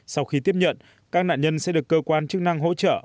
sau khi tiếp nhận các nạn nhân sẽ được cơ quan chức năng hỗ trợ